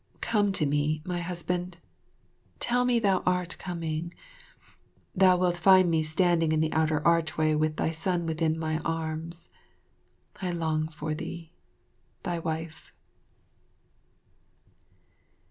Come to me, my husband. Tell me thou art coming. Thou wilt find me standing in the outer archway with thy son within mine arms. I long for thee. Thy Wife.